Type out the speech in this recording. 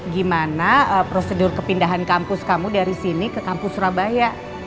gimana prosedur kepindahan kampus kamu dari sini ke kampus surabaya